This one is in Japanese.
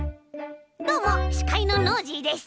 どうもしかいのノージーです！